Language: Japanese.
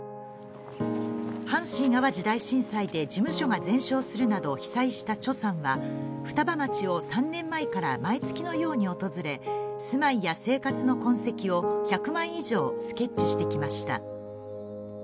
阪神淡路大震災で事務所が全焼するなど被災したチョさんが双葉町を３年前から毎月のように訪れ、住まいや生活の痕跡を１００枚以上スケッチしてきました